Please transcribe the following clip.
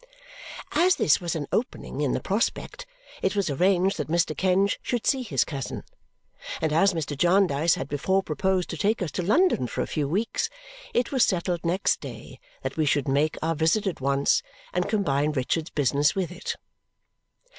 As this was an opening in the prospect, it was arranged that Mr. Kenge should see his cousin. And as Mr. Jarndyce had before proposed to take us to London for a few weeks, it was settled next day that we should make our visit at once and combine Richard's business with it.